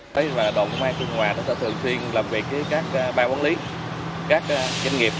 đồn công an khu công nghiệp biên hòa thường xuyên làm việc với các bà quản lý các doanh nghiệp